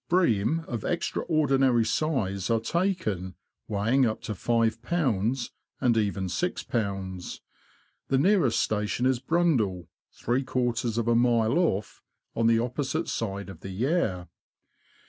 Bream of extraordinary size are taken, weighing up to 5lbs. and even 61bs. The nearest station is Brundall, three quarters of a mile off, on the opposite side of the Yare.